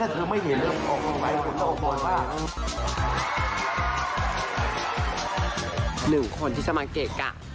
สองคนที่สำหรับเกรกอ่ะ